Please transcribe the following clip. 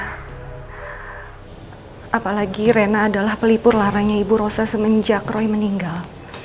apalagi rena adalah pelipur laranya ibu rosa semenjak roy meninggal